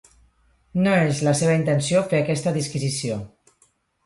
No és la seva intenció fer aquesta disquisició.